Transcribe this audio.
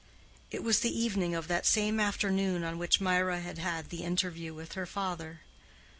It was the evening of that same afternoon on which Mirah had had the interview with her father.